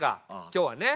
今日はね。